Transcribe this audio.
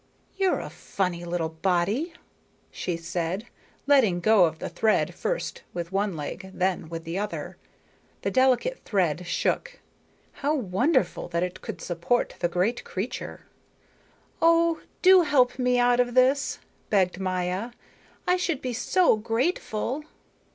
"You're a funny little body," she said, letting go of the thread first with one leg, then with the other. The delicate thread shook. How wonderful that it could support the great creature. "Oh, do help me out of this," begged Maya, "I should be so grateful."